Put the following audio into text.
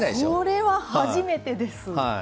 これは初めてです。